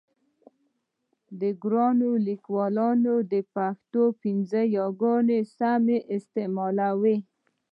ګرانو لیکوونکو د پښتو پنځه یاګانې سمې استعمالوئ.